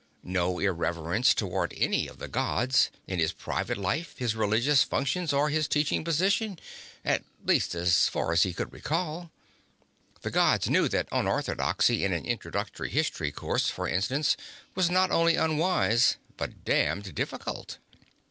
No irreverence toward any of the Gods, in his private life, his religious functions or his teaching position, at least as far as he could recall. The Gods knew that unorthodoxy in an Introductory History course, for instance, was not only unwise but damned difficult.